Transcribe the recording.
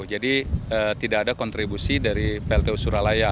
jadi tidak ada kontribusi dari pltu suralaya